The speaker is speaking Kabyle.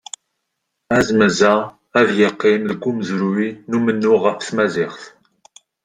Azmez-a, ad yeqqim deg umezruy n umennuɣ ɣef tmaziɣt.